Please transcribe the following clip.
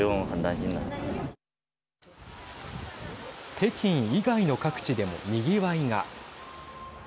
北京以外の各地でもにぎわいが。